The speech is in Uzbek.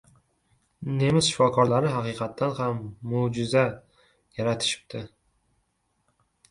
Nemis shifokorlari haqiqatdan ham mo``jiza yaratishdi